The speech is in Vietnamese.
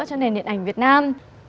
cho nền điện ảnh việt nam